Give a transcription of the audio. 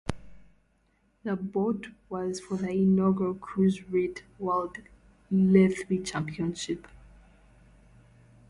The bout was for the inaugural Cruiserweight World Lethwei Championship.